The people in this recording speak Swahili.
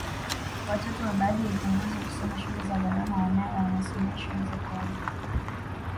Watoto wa baadhi ya viongozi wakisoma shule za gharama wanae wamesoma shule za kawaida